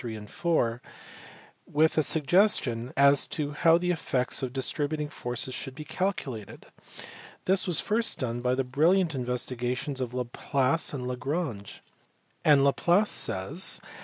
3 and 4) with a suggestion as to how the effects of disturbing forces should be calculated : this was first done by the brilliant investigations of Laplace and Lagrange ; and Laplace says (Mccaniqne celeste, book xv.